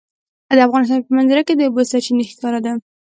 د افغانستان په منظره کې د اوبو سرچینې ښکاره ده.